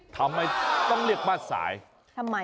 ทำไม